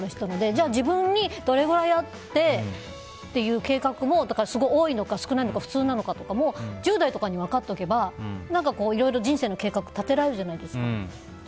じゃあ、自分にどれぐらいあってという計画も多いのか、少ないのか普通なのかとか１０代とかに分かっておけばいろいろ人生の計画を立てられるじゃないですか。